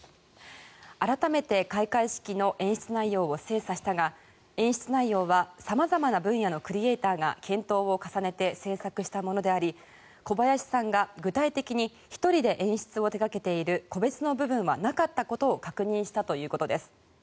改めて開会式の演出内容を精査したが演出内容は様々な分野のクリエーターが検討を重ねて制作したものであり小林さんが具体的に１人で演出を手掛けている個別の部分はなかったことを確認したということです。